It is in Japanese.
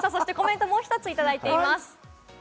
コメント、もう一つ、いただいています。